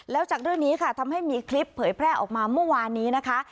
แล้วจากเรื่องนี้ค่ะทำให้มีคลิปเผยแพร่ออกมาเมื่อวานนี้นะคะ